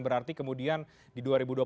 berarti kemudian di dua ribu dua puluh empat